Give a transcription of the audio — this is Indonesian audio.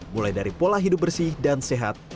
mulai dari pola hidup bersih dan sehat